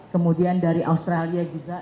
kemudian dari australia juga